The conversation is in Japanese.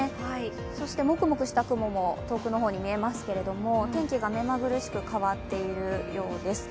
そしてモクモクした雲も遠くの方に見えますけど天気が目まぐるしく変わっているようです。